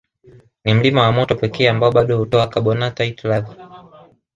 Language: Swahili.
Ni mlima wa moto pekee ambao bado hutoa carbonatite lava